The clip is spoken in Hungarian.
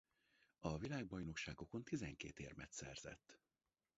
A világbajnokságokon tizenkét érmet szerzett.